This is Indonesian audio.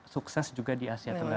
sukses juga di asia tenggara